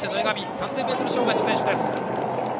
３０００ｍ障害の選手です。